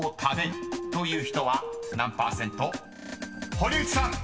［堀内さん］